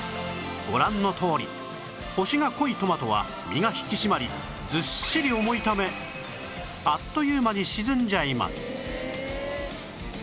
ご覧のとおり星が濃いトマトは身が引き締まりずっしり重いためあっという間に沈んじゃいます